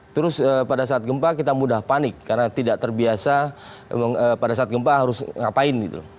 terus pada saat gempa kita mudah panik karena tidak terbiasa pada saat gempa harus ngapain